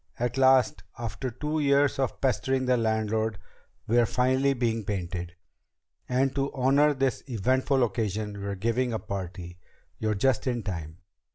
At last, after two years of pestering the landlord, we're finally being painted! And to honor this eventful occasion, we're giving a party. You're just in time."